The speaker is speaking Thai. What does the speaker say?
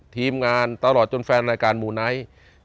ทีมงานตลอดจนแฟนรายการมูไนท์